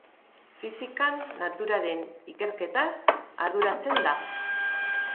Fisikan naturaren ikerketaz arduratzen da.